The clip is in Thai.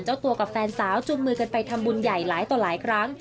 เจ้าตัวกับแฟนสาวจูงมือกันไปทำบุญใหญ่หลายต่อหลายครั้ง